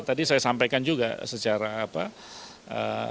tadi saya sampaikan juga secara apa di ruang informal tadi saya sampaikan begitu